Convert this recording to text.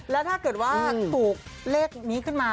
แล้วถ้าเกิดว่าถูกเลขนี้ขึ้นมา